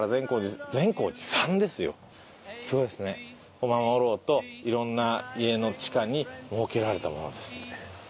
「を守ろうと色んな家の地下に設けられたものです」って。